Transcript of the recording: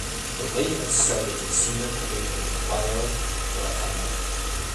Balea started his senior career with Rayo Vallecano.